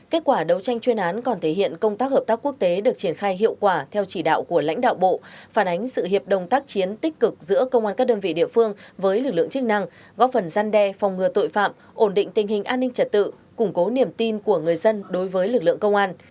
kết quả đấu tranh chuyên án còn thể hiện công tác hợp tác quốc tế được triển khai hiệu quả theo chỉ đạo của lãnh đạo bộ phản ánh sự hiệp đồng tác chiến tích cực giữa công an các đơn vị địa phương với lực lượng chức năng góp phần gian đe phòng ngừa tội phạm ổn định tình hình an ninh trật tự củng cố niềm tin của người dân đối với lực lượng công an